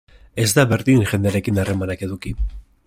Ez da berdin jendearekin harremanak eduki.